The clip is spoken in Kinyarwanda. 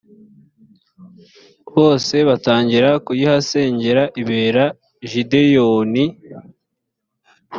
bose batangira kuyihasengera ibera gideyoni